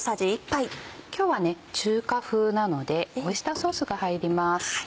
今日は中華風なのでオイスターソースが入ります。